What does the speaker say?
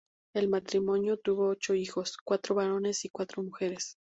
El matrimonio tuvo ocho hijos, cuatro varones y cuatro mujeres.